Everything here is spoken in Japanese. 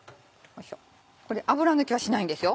これ油抜きはしないんですよ。